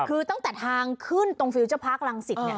คือตั้งแต่ทางขึ้นตรงฟิลเจอร์พาร์คลังศิษย์เนี่ย